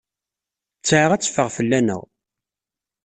Ttesɛa ad teffeɣ fell-aneɣ.